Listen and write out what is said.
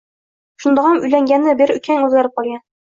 Shundog`am uylangandan beri ukang o`zgarib qolgan